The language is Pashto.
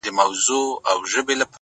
راسه چي زړه مي په لاسو کي درکړم-